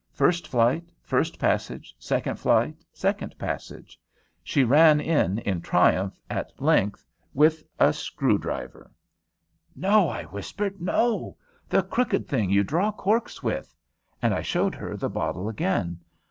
First flight, first passage; second flight, second passage. She ran in in triumph at length, with a screw driver! "No!" I whispered, "no. The crooked thing you draw corks with," and I showed her the bottle again.